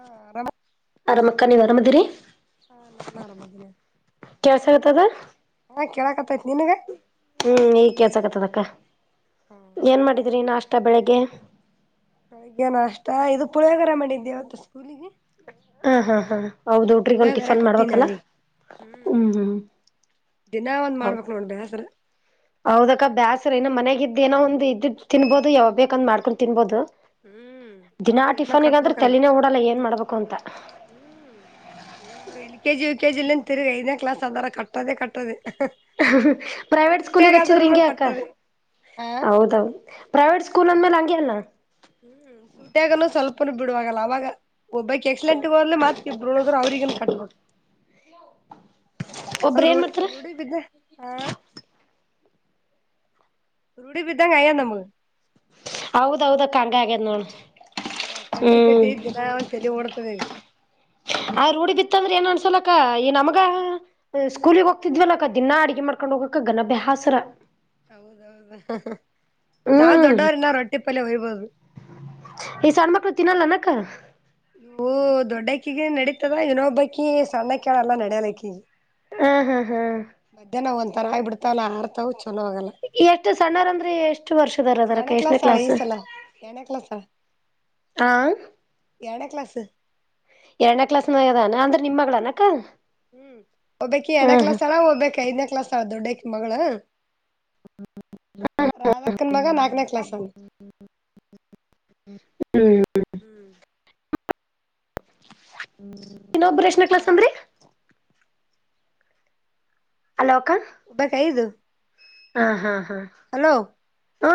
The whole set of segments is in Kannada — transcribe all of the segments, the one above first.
ಹಾ ಆರಾಮ ಅರಮಕ್ಕ ನೀ ಅರಮದರಿ ಹಾ ನಾನ ಆರಾಮ ಇದೀನಿ ಕೆಳ ತದ ಹಾ ಕೇಳಕ್ತ್ತೈತಿ ನಿನ್ಗ ಹ್ಮ್ ಈ ಕೆಲ್ಸ ಆಕತ್ತದಕ್ಕ ಏನ್ ಮಾಡಿದ್ರಿ ನಾಷ್ಟ ಬೆಳಿಗ್ಗೆ ಹಾಗ ನಾ ಅಷ್ಟ ಇದು ಪುಳಿಯಾಗಾರ ಮಾಡಿದ್ದೆವತ್ತು ಹಾ ಹಾ ಹಾ ಹೌದ ಹುಡ್ರಿ ಒಂದು ಪುಳಿಯೋಗರೆ ಟಿಫನ್ ಮಾಡ್ಬೇಕಲ್ಲ ಕಟ್ಟಿನವಿ ಹ್ಮ್ ಹ್ಮ್ ದಿನ ಒಂದ್ ಹೌದ್ ಮಾಡ್ಬೇಕ್ ನೋಡ್ರಿ ಬ್ಯಾಸರ ಹೌದಕ್ಕ ಬೇಾಸ್ರ ಇನ್ನು ಮನೆಗ ಇದ್ ಏನೋ ಒಂದ್ ಇದ್ದು ತಿನ್ಬೋದು ಯಾವ ಬೇಕಂದ್ ಮಾಡ್ಕೊಂಡು ತಿನ್ಬೋದು ಹ್ಮ್ ದಿನಾ ದಿನ ಟಿಫನ್ಗಾದ್ರೆ ಕಟ್ಬೇಕಲ್ಲ ತಲನೇ ಓಡಲ್ಲ ಏನ್ ಮಾಡ್ಬೇಕು ಅಂತ ನೀವ್ರು ಎಲ್ ಕೆಜಿ ಯು ಕೆಜಿಲ್ಲಿಿಂದ ತಿರುಗಿ ಐದೇ ಕ್ಲಾಸ್ ಅಂದಾರ ಕಟ್ಟದೇ ಕಟ್ಟದದೆ ಪ್ರೈವೇಟ್ ಸ್ಕೂಲಿಗೆ ಹಚ್ಚಿದ್ರಿ ಹಿಂಗಗೆ ಅಕ್ಕ ಕಟ್ಟೋದೆ ಹ ಹೌದೌದು ಪ್ರೈವೇಟ್ ಸ್ಕೂಲ್ ಅಂದ್ಮೇಲೆ ಹಂಗಗೆ ಅಲ್ಲ ಹ್ಮ್ ಸುಟ್ಯಾಗನೂ ಸ್ವಲ್ಪನೂ ಬಿಡುವಾಗಲ್ಲ ಅವಾಗ ಒಬ್ಬೈಕ್ಸಡೆಲೆಂಟ್ಗ ಹದ್ೇ ಮತ್ತತ್ ಇಬ್ಬರುೊಳಗ್ರ ಅವ್ರಿಗನ್ ಕಟ್ಬಬೇಕು ಅದು ಒಬ್ಬ್ರ ಏನ್ ಮಾಡ್ತಾರ ರರುಡಿ ಬಿದ್ದ ಹಾ ರೂಢಿ ಬಿಿದ್ದಾ ಕಾಯಾ ನಮ್ಮ ಹೌದೌದಕ್ಕಂಗ ಆಗ ನೋಳ ಹಾ ಕಡ್ ಕಟ್ಟಿ ಜಿನ ಒಂದ್ ಚಲ ಓಡ್ತದೆ ಹ ಆ ರೂಡಿಿ ಬಿತ್ತ ಅಂದ್ರೆ ಏನ್ ಅನ್ಸಲಕ್ಕ ಈ ನಮಗ ಸ್ಕೂಲಿಗೆ ಹೋಗ್ತಿದ್ವ ಅಕ್ಕ ದಿನಾ ಅಡಗೆ ಮಾಡ್ಕೊಂಡ್ ಹೋಗ ಗಘಭೆಹಾಸರ ಹೌದೌದ ನಾವು ಹ್ಮ್ ದೊಡ್ಡವರಿನ ರೊಟ್ಟಿ ಪಲ್ಲೆ ಓಯ್ಬೋದು. ಈ ಸಣ್ಣ್ಮಕ್ಳು ತಿನ್ನಲ್ಲ ಅನ್ನಕ್ಕ? ಇವು ದೊಡ್ಡಕ್ಕಿಗೆ ನಡೀತದ ಇನ್ನೊಬ್ಬಕಿ ಸಣ್ಣಕೀ ಅದಲ್ಲಲ್ಲ ನಡಿಯಲ್ಲ ಅಕಿಗಿ. ಹ ಹಾ ಹಾ ಮಧ್ಯಾಹ್ನ್ ಒಂದ್ ತರಾ ಆಗಿ ಬಿಡ್ತಾವಲ್ಲ ಆರ್ತವ - ಎಷ್ಟು ಸಣ್ಣರ್ಂದ್ರೆ ಎಷ್ಟ - ಎಷ್ಟು ವರ್ಷದವರ ಆದಾರ ಅಕ್ಕ ಎರಡನೇ ಎಷ್ಟನೇ ಆಳ ಕ್ಲಾಸ್ ಹ ಯಾಡ ಕ್ಲಾಸ್ ಎರಡೇ ಕ್ಲಾಸ್ದಾನ ಅದಾಳನ ಅಂದ್ರ - ಹ್ಮ್ ಒಬ್ಬಕ್ಕಿ ಯಾರ್ಡ್ನೆ ಹ್ಮ್ ಹ್ಮ್ ಕ್ಲಾಸ್ ಅದಾಳ ಒಬ್ಬಕೀ ಐದನೇ ಕ್ಲಾಸ್ ಹ ದೊಡ್ಡಕಿ ಮಗಳ ರಾಧಕ್ಕನ ಮಗ ನಾಲ್ಕೇ ಕ್ಲಾಸ್ ಅಂತ. ಹ್ಮ. ಇನ್ನೊಬ್ಬರ ಎಷ್ಟನೇ ಆ ಕ್ಲಾಸ್ ಅಂದ್ರಿ. ಹಲೋ ಅಕ್ಕಾ. ಒಬ್ಬಕ್ಕಿ ಐದು. ಹ ಹಾ ಹಾ ಹಲೋ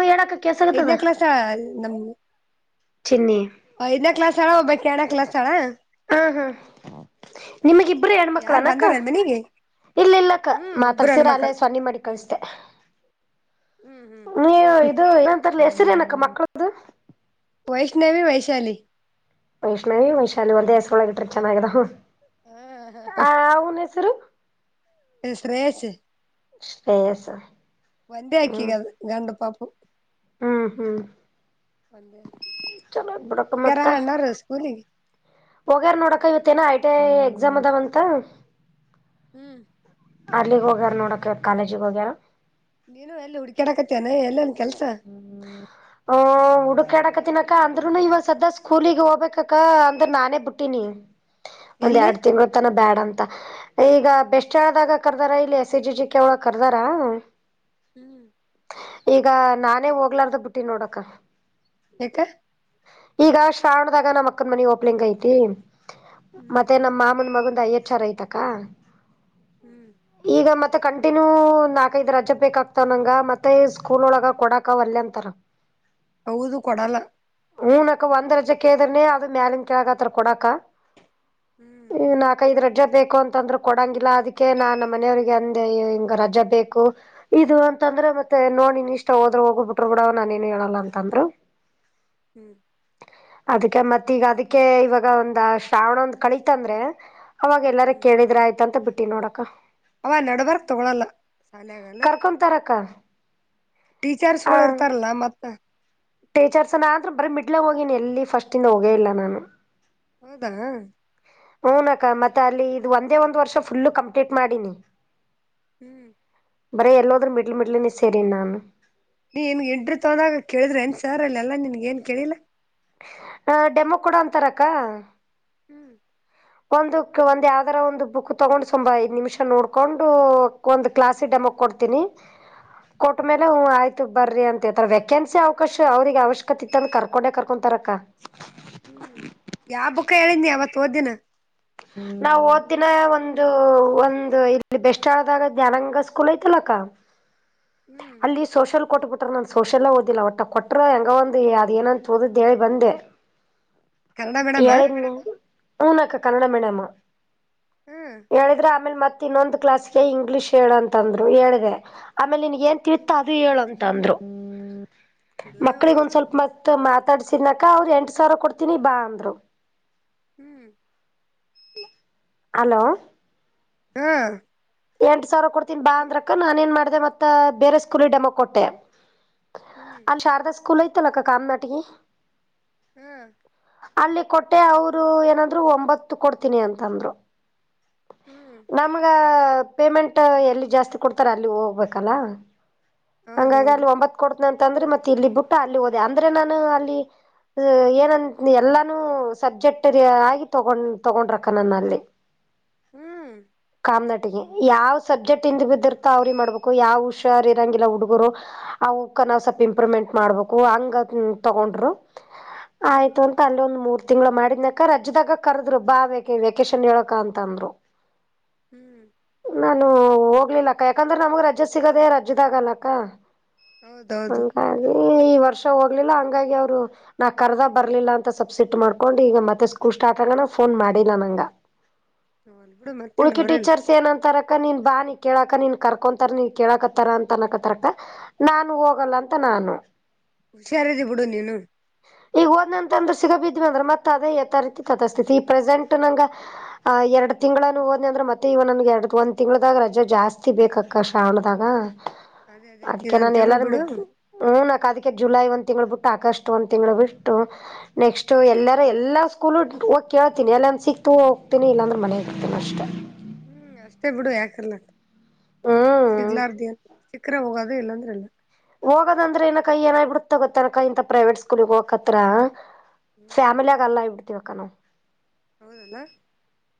ಹೇಳ್ ಅಕ್ಕ ಕೆಲ್ಸಕತ್ತದ. ಐದನೇ ಕ್ಲಾಸ್ ಆಳ ಐದ್ನೇ ಕ್ಲಾಸ್ ಅಳ ಒಬ್ಬಕಿ ಯಾಡ್ನೇ ಕ್ಲಾಸ್ ಅಳ. ಹ್ಮ ಹ್ಮ್ ನಿಮಗ ಇಬ್ಬರು ಯಾರ್ ಹೆಣ್ಮಕ್ಳನಕ್ಕ? ಬಂದಾರೇನ್ ಮನಿಗೆ ಇಲ್ಲ ಇಲ್ಲಕ್ಕ ಹ್ಮ್ ಇಬ್ರು ಮಾತಾಡ್ಸಿರ ಅಲ್ಲೇ ಹೆಣ್ಮಕ್ಕಳು ಸ್ವನ್ನಿ ಮಾಡ ಕಲ್ಸಿದೆ. ಹ್ಮ್ ಹ್ಮ್ ನೀವ ಇದು ಅಂತಾರ ಅಲಾ ಹೆಸರ ಏನಕ್ಕ ಮಕ್ಕಳದು. ವೈಷ್ಣವಿ ವೈಶಾಲಿ. ವೈಷ್ಣವಿ ವೈಶಾಲಿ ಒಂದ್ ಹೆಸರ ಒಳಗ ಇಟ್ರಿ ಚೆನ್ನಾಗದಾವ. ಹ ಅವ್ನ ಹೆಸರು? ಶ್ರೇಯಷ್ ಶ್ರೇಯಸ್ ಒಂದೇ ಹ್ಮ್ ಅಕಿಗೆ ಗಂಡಪಾಪು. ಹ್ಮ್ ಹ್ಮ್ ಚಲೋ [unintelligible] ಹೋಗ್ಯಾರ ಅಣ್ಣರ ಸ್ಕೂಲಿಗ ಹೋಗ್ಯಾರ ನೋಡ ಅಕ್ಕಾ ಇವತ್ತೇ ಏನೂ ಐ ಟಿ ಐ ಎಕ್ಸಾಮ್ ಅದಾವಂತ. ಹ್ಮ್ ಅಲ್ಲೀಗ ಹೋಗ್ಯಾರ ನೋಡ ಅಕ್ಕಾ ಕಾಲೇಜಿಗ್ ಹೋಗ್ಯಾರ - ನೀನು ಎಲ್ಲಿ ಹುಡ್ಕ್ಯಾಡಕತ್ತಿ ಏನ ಎಲ್ಲ ಒಂದ ಕೆಲ್ಸ ಹುಡುಕ್ಯಾಡ್ಕತ್ತೆನಿಅಕ್ಕ ಅಂದ್ರುನು ಇವಾಗ ಸದ್ದ ಸ್ಕೂಲಿಗ್ ಹೋಗ್ಬೇಕಕ್ಕ ಅಂದ್ರ ನಾನೇ ಬಿಟ್ಟೀನಿ. ಒಂದ್ ಎಲ್ಲಿ ಎರಡ್ ತಿಂಗಳ ತನ ಬ್ಯಾಡಂತ. ಅಂತ ಈಗ ಬೆಸ್ಳದಾಗ ಕರ್ದಾರ ಇಲ್ಲಿ S C G G K ಒಳಗ ಕರ್ದಾರ ಹ್ಮ್ ಈಗ ನಾನೇ ಹೋಗ್ಲಾರ್ದ ಬಿಟ್ಟಿನಿ ನೋಡ ಅಕ್ಕಾ ಯಾಕ ಈಗ ಅಷ್ಟ ಕಾಣದಾಗ ನಮ್ಮ ಅಕ್ಕನ ಮನಿ ಓಪ್ಲಿಂಗ್ ಐತಿ ಹ್ಮ್ ಮತ್ತೆ ನಮ್ಮ ಮಾಮನ ಮಗಂದ ವಿಚಾರ ಐತಿ ಅಕ್ಕಾ ಹ್ಮ್ ಈಗ ಮತ್ತ ಕಂಟಿನ್ಯೂ ನ್ಯೂ ಮತ್ತ ನಾಕೈದ್ ರಜಾ ಬೇಕಾಗ್ತಾವ ನಂಗ ಮತ್ತೆ ಸ್ಕೂಲ್ ಒಳಗ ಕೊಡಾಕ ಒಳ್ಳಾ ಅಂತಾರ. ಹೌದು ಕೊಡಲ್ಲ ಹುನ ಕ ಅಕ್ಕ ಒಂದ ರಜೆ ಕೇಳಿದ್ರೇನೆ ಅದ ಮ್ಯಾಲಿನ ಕೆಳಗ ಅತಾರ್ ಕೊಡಕ ಹ್ಮ್ ನಾಲ್ಕಐದು ರಜೆ ಬೇಕು ಅಂತಾ ಅಂದ್ರ ಕೊಡಂಗಿಲ್ಲ ಅದಕ್ಕೆ ನಾ ನಮ್ಮ ಮನೆಯವ್ರಿಗೆ ಅಂದ ಹಿಂಗ ರಜೆ ಬೇಕು ಇದು ಅಂತಂದ್ರೆ ಮತ್ತ ಮತ್ತ ನೋಡಿ ನೀ ಇಷ್ಟ ಹೋದ್ರ ಹೋಗು ಬಿಟ್ರು ಬಿಡು ನಾನ ಏನು ಹೇಳಲ್ಲ ಅಂತಂದ್ರು. ಹ್ಮ್ ಅದಕ್ಕೆ ಮತ್ತ ಈಗ ಅದಕ್ಕೆ ಇವಾಗ ಒಂದ ಶ್ರಾವಣ ಒಂದ ಕಳಿತಂದ್ರೆ ಅವಾಗ ಎಲ್ಲಿರ ಹ್ಮ್ ಕೇಳಿದ್ರೆ ಆಯ್ತ ಅಂತ ಬಿಟ್ಟಿನೀ ನೋಡ ಅಕ್ಕಾ. ಅವ ನಡ್ವರ್ಕ್ ತಗೊಳಲ್ಲ ಶಾಲೆಗಲ್ಲ. ಕರ್ಕೊಂತಾರಕ್ಕ ಟೀಚರ್ಸ್ಗಳು ಇರ್ತಾರಲ್ಲ ಮತ್ತ. ಟೀಚರ್ಸ್ನ ಆದ್ರರು ಬರೀ ಮಿಡ್ಲಾಗ ಹೋಗೀನಿ ಎಲ್ಲಿ ಫಸ್ಟ್ ಇಂದ ಹೋಗೇ ಇಲ್ಲ ನಾನು. ಹೌದಾ ಹುನಕ್ಕ ಮತ್ತೆ ಅಲ್ಲಿ ಇದು ಒಂದೇ ಒಂದ್ ವರ್ಷ ಫುಲ್ಲು ಕಂಪ್ಲೀಟ್ ಮಾಡಿನಿ. ಹ್ಮ್ ಬರೇ ಎಲ್ಲಾದ್ರೂ ಮಿಡ್ಲ್ ಮಿಡ್ಲ್ ನೆ ಸೇರಿ ನಾನು. ನೀ ಎನ್ ಎಂಟ್ರಿ ತೊದಾಂಗ ಕೇಳಿದ್ರೆ ಏನ್ ಸರ್ ಅಲ್ಲಿ ಎಲ್ಲಾ ನಿನ್ಗ ಏನ್ ಕೇಳಿಲ್ಲ. ಹ ಡೆಮೋ ಕೂಡು ಅಂತಾರಕ್ಕ. ಹ್ಮ್ ಒಂದುಕ್ ಒಂದ್ ಯಾವ್ದರ ಒಂದು ಬುಕ್ ತೊಗೊಂಡ್ ತುಂಬಾ ಐದ್ ನಿಮಿಷ ನೋಡ್ಕೊಂಡು ಒಂದ್ ಕ್ಲಾಸ್ ಡೆಮೊ ಕೊಡ್ತೀನಿ ಹ್ಮ್ ಕೊಟ್ಟ್ಮೇಲೆ ಹು ಆಯ್ತು ಬರ್ರಿ ಅಂತ ಎತಾರ ವೆಕೆನ್ಸಿ ಅವಕಾಶ ಅವ್ರಿಗೆ ಅವಶ್ಯಕತೆ ಇತ್ತ ಅಂದ್ರ ಕರ್ಕೊಂಡೆ ಕರ್ಕೊಂತಾರಕ್ಕ. ಹ್ಮ್ ಯಾವ ಬುಕ್ಕ ಹೇಳಿನಿ ಅವತ್ ಓದ್ದಿನ. ನಾವ್ ಓದ್ ದಿನ ಒಂದು ಒಂದು ಇಲ್ಲಿ ಬೆಸ್ಟ್ ಆಳದಾಗ ಜ್ಞಾನಂಗ ಸ್ಕೂಲ್ ಐ್ತಲ್ಲಕ್ಕ. ಹ್ಮ್ ಅಲ್ಲಿ ಸೋಷಲ್ ಕೊಟ್ಟಬಿಟ್ - - ಕೊಟ್ರು ನನ್ ಸೋಷಲ್ ಓದಿಲ್ಲ ಒಟ್ಟ ಕೊಟ್ರ ಹೆಂಗ ಒಂದು ಅದ ಏನಂತ ಓದಿದ್ ಹೇಳ್ ಬಂದೆ. ಕನ್ನಡ ಮೇಡಮ [unintelligible] ಹು ನಕ್ಕ ಕನ್ನಡ ಮೀಡಿಯಾ ಮ್ ಹಾ ಹೇಳಿದ್ರೆ ಆಮೇಲ್ ಮತ್ತ ಇನ್ನೊಂದು ಕ್ಲಾಸ್ಗೆ ಇಂಗ್ಲಿಷ್ ಹೇಳಂತಂದ್ರು ಹೇಳ್ದೆ. ಆಮೇಲ್ ನಿನಗ್ ಏನ್ ತಿವಿತ್ತ ಅದು ಹೇಳಂತ ಅಂದ್ರು ಹ್ಮ್ ಮ ಒಂದ ಸ್ವಲ್ಪ ಮತ್ ಮಾತಾಡ್ಸಿನಕ ಅವ್ರ ಎಂಟ ಸಾವಿರ ಕೊಡ್ತೀನಿ ಬಾ ಅಂದ್ರು. ಹ್ಮ್ ಹಲೋ ಹ್ಮ ಎಂಟ್ ಸಾವಿರ ಕೊಡ್ತೀನ್ ಬಾ ಅಂದ್ರಕ ನಾನ ಏನ್ ಮಾಡ್ದ ಮತ್ತ ಬೇರೆ ಸ್ಕೂಲಿಗ್ ಡೆಮೊ ಕೊಟ್ಟೆ ಅಲ್ಲಿ ಶಾರದಾ ಸ್ಕೂಲ್ ಐತಲ್ಲಕ್ಕ ಕಾಮ್ನಾಟ್ಗಿ. ಹ್ಮ್ ಅಲ್ಲಿ ಕೊಟ್ಟೆ ಅವ್ರು ಏನಂದ್ರು ಒಂಬತ್ತು ಕೊಡ್ತೀನಿ ಅಂತಂದ್ರು. ನಮ್ಗ ಫೆಮೆಂಟ ಎಲ್ ಜಾಸ್ತಿ ಕೊಡ್ತಾರ ಅಲ್ಲಿ ಹೋಗ್ ಬೆಕಲ್ಲ ಅಂಗಾಗಿ ಹೌದೌದು ಅಲ್ಲಿ ಒಂಬತ್ - ನಂತಂದ್ರು ಮತ್ತೆ ಇಲ್ಲಿ ಬುಟ್ಟ ಅಲ್ಲಿ ಹೋದೆ ಅಂದ್ರೆ ನಾನು ಅಲ್ಲಿ. ಏನ ಎಲ್ಲಾನೂ ಸಬ್ಜೆಕ್ಟ್ರಿ ಆಗಿ ತಗೊಂಡ ತಗೊಂಡ್ರಕ್ಕ ನನ್ನ ಅಲ್ಲಿ. ಹ್ಮ್ ರಾಮ್ನಾಟ್ಗಿ ಯಾವ್ ಸಬ್ಜೆಕ್ಟ್ ಇಂದ್ ಬಿದ್ದಿರ್ತ ಅವ್ರ ರಿಗ್ ಮಾಡ್ಬೇಕು. ಯಾವ್ ಹುಷಾರ್ ಇರಂಗಿಲ್ಲ ಹುಡ್ಗುರು ಅವುಕ ಸ್ವಲ್ಪ ಇಂಪ್ರೂವ್ಮೆಂಟ್ ಮಾಡ್ಬೇಕು ಹಂಗಗ್ ತೊಗ ತಗೊಂಡ್ರು ಹ್ಮ್ ಆಯ್ತು ಅಂತ ಅಲ್ಲಿ ಒಂದು ತಿಂಗ್ಳು ಮಾಡಿದ್ನಕ ರಜದಾಗ ಕರ್ದ್ರು ಬಾ ವೆ ವೆೇಕೇಶನ್ ಹೇಳಕ ಅಂತ ಅಂದ್ರು. ಹ್ಮ್ ನಾನು ಹೋಗ್ಲಿಲ್ಲಕ್ಕ ಯಾಕಂದ್ರೆ ನಮ್ಗ್ ರಜೆ ಸಿಗದೆ ರಜೆದಾಗಲ್ಲಕ್ಕ. ಹೌದೌದು. ಈ ವರ್ಷ ಹೋಗ್ಲಿಲ್ಲಾ ಹಂಗಾಗಿ ಅವ್ರು ನಾ ಕರ್ದ ಬರ್ಲಿಲ್ಲ ಅಂತ ಸ್ಪಪ್ ಸಿಟ್ ಮಾಡ್ಕೊಂಡು ಈಗ ಮತ್ತೆ ಸ್ಕೂಲ್ ಸ್ಟಾಟ್ ಆಗೋ ನ ಫೋನ್ ಮಾಡಿಲ್ಲ ನಂಗ [unintelligible] ಮತ್ತೇನ್ ಅವರೆನ್ ತರಕ ನೀನ್ ಬಾ ನೀ ಕೇಳಕ ನೀನ ಕರ್ಕೊಂತಾರೆ ಇಲ್ಲ ನೀ ಕೇಳಕತ್ತಾರ ಅಂತ ಅಣಕತ್ತಾರಕ್ಕ ನಾನ್ ಹೋಗಲ್ಲ ಅಂತ ನಾನು ಹುಷಾರ ಅದಿ ಬಿಡು ನೀನು ಈಗ ಹೋದ್ನಂತಂದ್ರ ಸಿಗೋದಿಲ್ರಿ ಅದು ಮತ್ತ ಅದೇ ಯಥಾ ರೀತಿ ಸ್ಥತಾತಿ ಈ ಪ್ರೆಸೆಂಟ್ ನಂಗ ಎರಡ್ ತಿಂಗ್ಳನ ಹೋದ್ನೆ ಅಂದ್ರ ಮತ್ತೆ ಇವ ನಂಗೆ ಎರಡ್ ಒಂದ್ ತಿಂಗಳದಾಗ ರಜೆ ಜಾಸ್ತಿ ಬೇಕಕ್ಕ ಶ್ರಾವಣದಾಗ ಅದೇ ಅದೇ ಅದಕ್ಕೆ ಇದೊಂದ್ ನಾನು ತಿಂಗಳು ಎಲ್ಲಾರು ಬಿಡು ಬಿಟ್ಟ ಹುನಕ್ಕ ಜುಲೈ ಒಂದು ತಿಂಗಳು ಬಿಟ್ಟು ಆಗಸ್ಟ್ ಒಂದು ತಿಂಗಳು ಬಿಟ್ಟು ನೆಕ್ಸ್ಟ್ ಎಲ್ಲಾರ ಎಲ್ಲಾ ಸ್ಕೂಲ್ ಕೇಳ್ತೀನಿ ಎಲ್ಲಂದ ಸಿಕ್ತು ಹೋಗ್ತೀನಿ ಇಲ್ಲಂದ್ರೆ ಮನೆ ಇರ್ತೀನಿ ಅಷ್ಟೇ ಹು ಹು ಅಷ್ಟೇ ಬಿಡು ಯಾಕರಲಕ ಹ್ಮ್ ಸಿಗ್ಲಾರದ ಏನ ಸಿಕ್ರ ಹೋಗೋದೇ ಇಲ್ಲಾಂದ್ರ ಇಲ್ಲ ಹೋಗೋದಂದ್ರೆ ಏನ ಅಕ್ಕ ಏನ ಆಗಿ ಬಿಡುತ್ತ ಗೊತ್ತೇನಕ್ಕ ಇಂತ ಪ್ರೈವೇಟ್ ಸ್ಕೂಲಗ್ ಹೋಗಕತರ ಹ್ಮ್ ಫ್ಯಾಮಿಲಾಗ್ ಅಲ್ಲ ಆಗಿಬಿಡ್ತೀವಿ ಅಕ್ಕ ನಾವು ಹೌದಲ್ಲ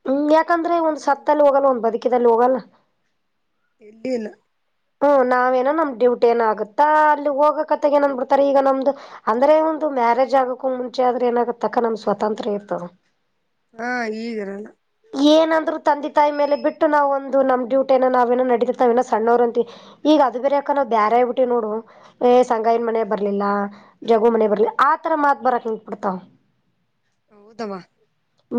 ಹು ಯಾಕಂದ್ರೆ ಒಂದ್ ಹ್ಮ್ ಸತ್ತಲ್ಲಿ ಹೋಗಲ್ಲ ಒಂದ್ ಬದುಕಿದಲ್ಲಿ ಹೋಗಲ್ಲ ಎಲ್ಲಿ ಇಲ್ಲ ಹು ನಾವೇನೋ ನಮ್ಮ ಡ್ಯೂಟಿ ಏನ ಆಗುತ್ತಾ ಅಲ್ಲಿ ಹೋಗಕಥ ಏನ್ ಬಿಡ್ತಾರ ಈಗ ನಮ್ದು ಅಂದ್ರೆ ಒಂದು ಮ್ಯಾರೇಜ್ ಆಗೋಕೂ ಮುಂಚೆ ಆದರೆ ಏನಾ ಆಗುತ್ತೆ ಅಕ್ಕ ನಮ್ಮಗ ಸ್ವಾತಂತ್ರ ಇತ್ತು ಹಾ ಈಗಿರಲ್ಲ ಏನಂದ್ರು ತಂದಿ ತಾಯಿ ಮೇಲೆ ಬಿಟ್ಟು ನಾವು ಒಂದು ನಮ್ಮ ಡೂಟಿ ನಾವೇ ನಡೀತಾವ ಸಣ್ಣೋರ ಅಂತ ಈಗ ಈಗ ಅದು ಬೇರೆ ಅಕ್ಕ ನಾವು ಬ್ಯಾರೆ ಆಗ್ಬಿಟ್ಟೆ ನೋಡು ಏ ಸಂಗಯ್ಯನ ಹ್ಮ್ ಮನೆಗ ಬರಲಿಲ್ಲ ಜಗು ಮನೆಗ ಬರಲಿಲ್ಲ ಆತರ ಮಾತ ಬರಕ್ ನಿಂತು ಬಿಡುತ್ತಾವ ಹೌದವ್ವ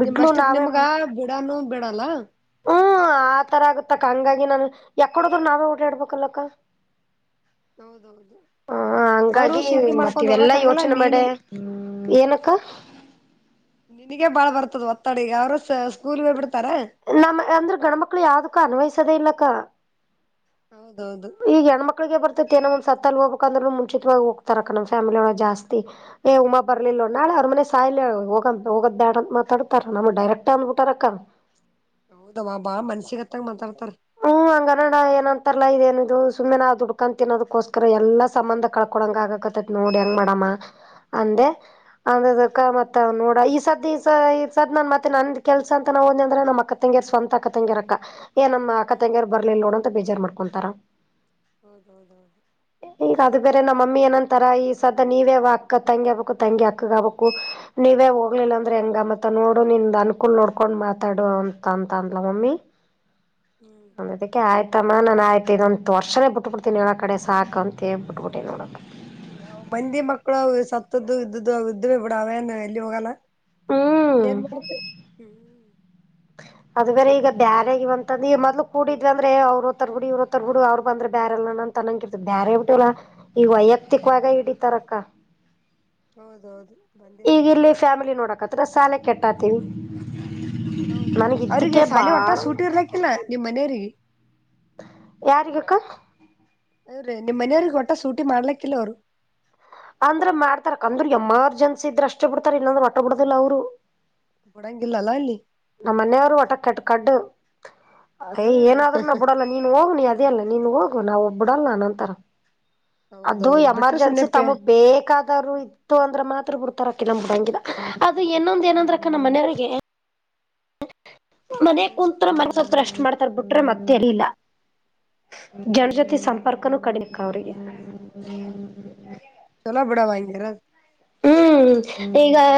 ನಿಮ್ಮಷ್ಟಕ ನಾವೇ ನಿಮಗ ಬಿಡ ಅನ್ನು ಬಿಡಲ್ಲ ಹ್ಮ್ ಆತರ ಆಗತ್ತಕ್ಕ ಹಂಗಾಗಿ ನಾನು ಎಕ್ಕಡೆ ಹೋದರು ನಾವೇ ಓಡಾಡಬೇಕಲ್ಲ ಹೌದು ಹೌದು ಅವರು ಹಂಗಾಗಿ ಸೂಟಿ ಮತ್ತ ಮಾಡ್ಕೊಂಡ ಹೋಗಕ ಇವೆಲ್ಲಾ ಆಗಲ್ಲ ಯೋಚನೆ ನೀನ ಮಾಡೆ ಈ ಏನಕ್ಕ ನಿನಗೆ ಬಾಳ ಬರ್ತದ ಒತ್ತಡ ಈಗ ಅವರು ಸ್ಕೂಲ್ ಗ ಹೋಗ್ಬಿಡ್ತ ನಮ್ಮಗ ಅಂದ್ರ ಗಂಡು ಮಕ್ಕಳು ಯಾವುದಕ್ಕೂ ಅನ್ವಯಿಸುದೆ ಇಲ್ಲಕ್ಕ ಹೌದೌದು ಈಗ ಹೆಣ್ಮಕ್ಕಳಿಗೆ ಬರ್ತೈತಿ ಏನೋ ಒಂದು ಸತ್ತಲ ಹೋಗಬೇಕ ಅಂದರುನು ಮುಂಚಿತವಾಗಿ ಹೋಗ್ತಾರ ನಮ್ಮ ಫ್ಯಾಮಿಲಿ ಒಳ ಜಾಸ್ತಿ ಏ ಉಮಾ ಬರ್ಲಿಲ್ಲ ಹ್ಮ್ ನೋಡ ನಾಳೆ ಅವರ ಮನೆ ಸ ಸಾಯಿಲ್ ಅಳ ಹೋಗ ಹೋಗೋದ್ಬ್ಯಾಡಂತೆ ಅಂತ ಮಾತಾಡ್ತಾರ ನಮ್ಮಗ ಡೈರೆಕ್ಟ್ ಅಂದುಬಿಟ್ಟರ ಅಕ್ಕ ಹೌದವ್ವ ಬಾಳ ಮನಸ್ಸಿಗೆ ಮನಸ್ಸಿಗೆ ಹಂಗ ಮಾತಾಡ್ತಾ ಹು ಹಂಗಾರ ಏನಂತನ ಅಲ್ಲ ಇದೇನಿದು ಸುಮ್ಮನೆ ನಾವು ದುಡುಕೊಂಡು ತಿನ್ನೋದು ಗೋಸ್ಕರ ಎಲ್ಲಾ ಸಂಬಂಧ ಕಳ್ಕೊಳಂಗ ಆಗಾಕತ್ತ ನೋಡ ಹೆಂಗ ಮಾಡಮಾ ಅಂದೆ ಅಂದಕ್ಕ ಮತ್ತ ನೋಡ ಈ ಸದ ಈ ಸದ್ ನ ಮಾತು ನ ಕೆಲಸ ಅಂತ ನಾನು ಹೋದ್ನಂದ್ರ ನಮ್ಮ ಅಕ್ಕ ತಂಗಿ ಸ್ವಂತ ಅಕ್ಕ ತಂಗಿರ ಅಕ್ಕ ಏ ನಮ್ಮ ಅಕ್ಕ ಹ್ಮ್ ತಂಗ್ಯಾರ ಬರ್ಲಿಲ್ಲ ನೋಡ ಅಂತ ಬೇಜಾರ್ ಮಾಡ್ಕೊತಾರ ಹೌದ ಹೌದ ಹೌದ ಈಗ ಅದು ಬೇರೆ ನಮ್ಮ ಮಮ್ಮಿ ಏನಂತಾರ ಈ ಸದ್ ನೀವೇ ಅಕ್ಕ ತಂಗಿ ಆಗಬೇಕು ತಂಗಿ ಅಕ್ಕ ಆಗ್ಬೇಕು ನೀವ ನೀವೇ ಹೋಗ್ಲಿಲ್ಲ ಅಂದ್ರೆ ಹೆಂಗ ಮತ್ತ ನೋಡು ನಿಂದ ಅನುಕೂಲ ನೋಡ್ಕೊಂಡ್ ಮಾತಾಡು ಅಂತ ಅಂತ ಅಂದಲ ನಮ್ಮ ಮಮ್ಮಿ ಹ್ಮ್ ಅದಿಕ್ಕೆ ಆಯ್ತು ಸಮಾಧಾನ ಆಗ್ತೀನಿ ಅಂತ ವರ್ಷನೇ ಬಿಟ್ ಬಿಡ್ತೀನಿ ಕಡೆ ಸಾಕ ಅಂತೇ ಬಿಟ್ಬಿಟ್ಟಿನಿ ನೋಡ ಅಕ್ಕಾ ಮಂದಿ ಮಕ್ಕಳು ಸತ್ತದ್ದು ಇದ್ದದ್ದು ಇದರು ಬಿಡ ಅವೇನು ಎಲ್ಲಿ ಹೋಗಕ ಆಗಲ್ಲ ಹ್ಮ್ ಏನ್ ಬೇಕಿತ್ತ [inaudible] [unintelligible] ಅದು ಬೇರೆ ಈಗ ಬ್ಯಾರಾಗಿವೆ ಅಂತಂದ ಈ ಮೊದಲು ಕೂಡಿದ್ವಿ ಅಂದ್ರು ಅವರು ಬರ್ತಾರೆ ಇವ್ರು ಬರ್ತಾರೆ ಅವರ ಬಂದ್ರೆ ಬೇರೆಲ್ಲನ ತಣ್ಣಗ ಇತಾಗ ಬ್ಯಾರೆ ಆಗ್ಬಿಟ್ಟೆವಲ್ಲ ಈಗ ವೈಯಕ್ತಿವಾಗ ಹಿಡಿತಾರಕ್ಕ ಹೌದು ಹೌದು ಈಗ ಇಲ್ಲಿ ಫ್ಯಾಮಿಲಿ ನೋಡಕತ್ರ ಸಾಲೆಗ ಕೆಟ್ಟಾಗತಿವಿ ಹೌದು ಅವ್ರಿಗೆ ಸಾಲಿ ಒಟ್ಟ ಸೂಟಿ ಇರ್ಲಕ್ಕಿಲ್ಲ ನಿಮ್ ಮನೆಯವಿಗೆ ಯಾರಿಗೆಕ್ಕ ಅವ್ರೀ ನಿಮ್ಮ್ ಮನೆಯವ್ರಿಗೆ ಒಟ್ಟ ಸೂಟಿ ಮಾಡ್ಲಕ್ಕಿಲ್ಲ ಅವ್ರು ಅಂದ್ರ ಮಾಡ್ತಾರಕ್ ಅಂದ್ರ ಎಮ್ಮ ಅರ್ಜೆನ್ಸಿ ಇದ್ರೆ ಅಷ್ಟೇ ಬಿಡ್ತಾರ ಇಲಂದ್ರರು ವಟ್ಟ ಬಿಡುದಿಲ್ಲ ಅವ್ರು ಕೊಡಂಗಿಲ್ಲ ಅಲ್ಲ ಅಲ್ಲಿ ನಮ್ಮ ಮನೆಯವ್ರು ಒಟ ಕೆಟ್ಟ ಕಡ್ ಅ ಹ್ಮ್ ಏನಾದ್ರು ನ ಬಿಡಲ್ಲ ನೀನ್ ಹೋಗ ನೀ ಅ ಅ ಅಲ್ಲ ನಿನ್ ಹೋಗು ನಾನ ಬಿಡಲ್ಲನಾತರ ಅದು ಹೌದೌದು ಬಿಟ್ರೆ ಸುಮ್ನೆ ಎಮರ್ಜೆನ್ಸಿ ಪೇ ತಮ ಬೇಕಾದ್ರು ಇತ್ತು ಅಂದ್ರೆ ಮಾತ್ರ ಬು ತರ ಕಂಬ ಬಿಡಂಗಿದ ಅದು ಇನ್ನೊಂದ ಹ್ಮ್ ಏನಂದ್ರಕ್ಕ ನಮ್ಮ ಮನೆಯವರಿಗೆ ಮನೆ ಹ್ಮ್ ಕುತ್ರ ಮನಸತ್ರ ರಷ್ಟಟ್ ಮಾಡ್ತಾರೆಬಿಟ್ರೆ ಮತೆಲ್ಲಿಲ್ಲ ಜನಜಾತಿ ಹ್ಮ್ ಸಂಪರ್ಕನು ಕಡಿ ನಿಖಾವರಿ ಚಲೋ ಬಿಡಾವಾ ಹಂಗ ಗಿರದು ಹ್ಮ್ ಈಗಲ್ಲ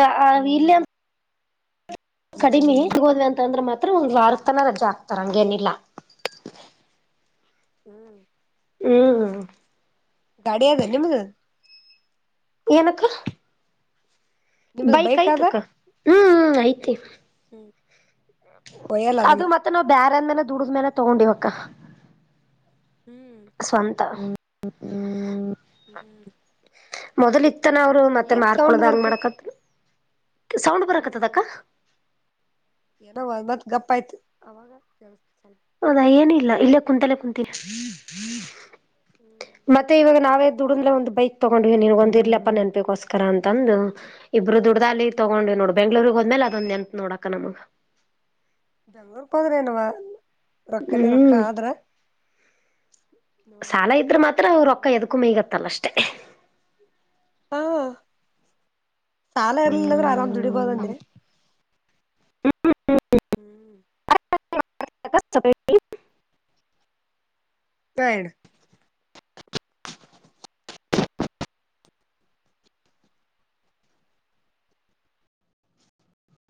ಕಡಿಮೆ ತಗೋದ್ವಿ ಅಂತಂದ್ರೆ ಮಾತ್ರ ಒಂದು ವಾರ ತನ ರಜೆ ಆಗ್ತಾರ ಹಂಗೇನಿಲ್ಲ ಹ್ಮ್ ಹ್ಮ್ ಹ ಗಡಿಯದೆ ನಿಮ್ಮದು ಏನಕ್ಕ ನಿಮ್ದು ಬೈಕ್ ಅದ ಐ್ತಕ್ಕ ಹ್ಮ್ ಆಯ್ತೆ ಒಯ್ಯಲ್ಲ ಅದು ಅದನ್ನ ಮತ್ತೆ ನಾವ್ ಬ್ಯರೆ ಅಂದ್ಮೇಲೆ ದುಡದ್ಮೇಲೆ ತಗೊಂಡಿವಕ್ಕ ಸ್ವಂತ ಹ್ಮ್ ಮೊದಲ ಇತ್ತನ ಅವ್ರು ಮತ್ತೆ ಮಾರ್ಕಳದ ಹಂಗ ಬರ್ತದ ಮಾಡಕತ್ತ ಸೌಂಡ್ ಬರಕತ್ತದಕ್ಕ ಏನೋ ಒ ಮತ್ ಗಪ್ಪ ಆಯ್ತು ಅವಾಗ ಕೆಲ್ಸ ಹೌದಾ ಏನಿಲ್ಲ ಇಲ್ಲೇ ಕುಂತಲೆ ಕುಂತೀರ ಮತ್ತೆ ಇವಾಗ ನಾವೆ ದುಡ್ರ ಒಂದು ಬೈಕ್ ತೊಗೊಂಡ್ವಿ ನಿನ್ಗ ಒಂದ ಇರ್ಲಪ್ಪ ನೆನಪಿಗೋಸ್ಕರ ಅಂತ ಅಂದು ಇಬ್ರುದುಡ್ ಅ ಅಲ್ಲಿ ತೊಗೊಂಡ್ ಹ್ಮ್ ನೋಡು ಬೆಂಗಳೂರಿಗೆಗ್ ಹೋದ್ಮೇಲೆ ಅದೊ ಎಂತತ್ ನೋಡಾಕ ನಮಗ ಬೆಂಗಳೂರಕ ಹೂದ್ರ ಏನವಾ ರೊಕ್ಕನೇ ರೊಕ್ಕ ಹ್ಮ್ ಆದ್ರ ನೋಡ್ಬೇಕು ಸಾಲ ಇದ್ರೆ ಮಾತ್ರ ಅವರು ರೊಕ್ಕ ಕರೆನೆ ಎದ್ಕೂ ಮ ಈಗತ್ತಲ್ಲ ಅಷ್ಟೇ ಹ ಸಾಲ ಇರ್ಲಿಲ್ಲಂದ್ರೆ ಆರಾಮ್ ದುಡಿಬೋದಂದೆ ಹ್ಮ್್ಮ ಹ್ಮ ಹ್ಮ್ [unintelligible] ಹ ಇಡ